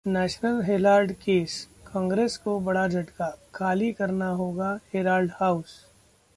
National Herald Case: Congress को बड़ा झटका, खाली करना होगा हेराल्ड हाउस